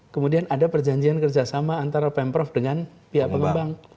kemudian ada perjanjian kerjasama antara pemprov dengan pihak pengembang